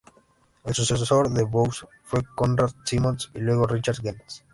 El sucesor de Bose fue Konrad Simons, y luego Richard Gans.